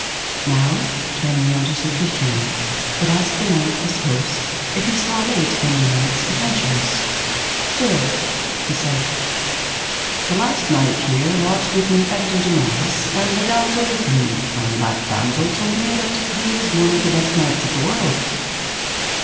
Now turn we unto Sir Tristram, that asked the knight his host if he saw late any knights adventurous. Sir, he said, the last night here lodged with me Ector de Maris and a damosel with him, and that damosel told me that he was one of the best knights of the world.